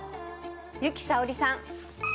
由紀さおりさん。